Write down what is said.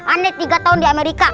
anda tiga tahun di amerika